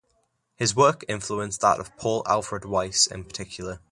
His work influenced that of Paul Alfred Weiss in particular.